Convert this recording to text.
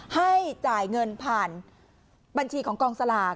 ให้จ่ายเงินผ่านบัญชีของกองสลาก